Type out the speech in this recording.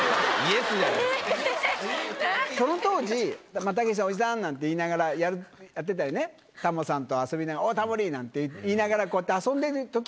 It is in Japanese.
その当時たけしさんを「おじさん」なんて言いながらやってたりねタモさんと遊びながら「おいタモリ」なんて言いながらこうやって遊んでるときがあって。